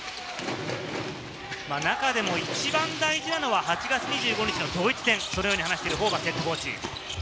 中でも一番大事なのは８月２５日のドイツ戦、そのように話しているホーバスＨＣ。